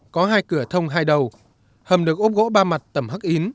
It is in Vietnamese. có hai cửa thông hai đầu hầm được ốp gỗ ba mặt tầm hắc ín